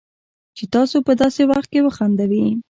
چې تاسو په داسې وخت کې وخندوي